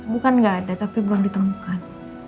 bukan nggak ada tapi belum ditemukan